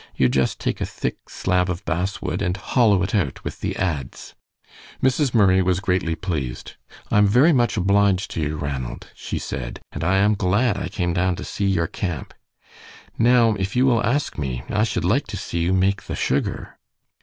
You just take a thick slab of basswood and hollow it out with the adze." Mrs. Murray was greatly pleased. "I'm very much obliged to you, Ranald," she said, "and I am glad I came down to see your camp. Now, if you will ask me, I should like to see you make the sugar."